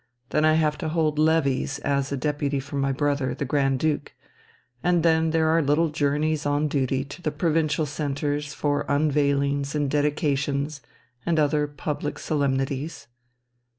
Then I have to hold levées as deputy for my brother, the Grand Duke. And then there are little journeys on duty to the provincial centres for unveilings and dedications and other public solemnities."